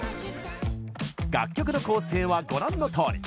楽曲の構成は、ご覧のとおり。